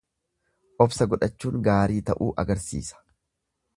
Obsa godhachuun gaarii ta'uu agarsiisa.